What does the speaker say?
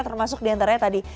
termasuk diantaranya tadi